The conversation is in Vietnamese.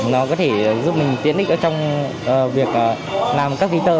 nó có thể giúp mình tiến ích trong việc làm các ví tơ